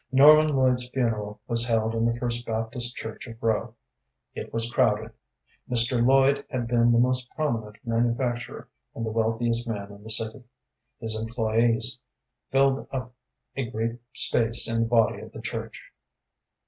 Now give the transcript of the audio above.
Norman Lloyd's funeral was held in the First Baptist Church of Rowe. It was crowded. Mr. Lloyd had been the most prominent manufacturer and the wealthiest man in the city. His employés filled up a great space in the body of the church.